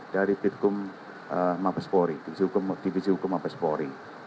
dari pitkum mabespori divisi hukum mabespori